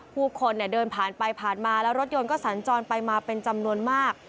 ผู้คนเนี่ยเดินผ่านไปผ่านมาแล้วรถยนต์ก็สัญจรไปมาเป็นจำนวนมาก